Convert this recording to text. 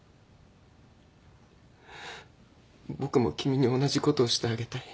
僕も君に同じことをしてあげたい。